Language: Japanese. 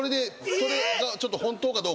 それがちょっと本当かどうか。